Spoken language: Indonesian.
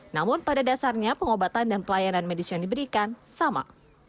namun pada dasarnya pengobatan dan pelayanan medis yang diberikan sama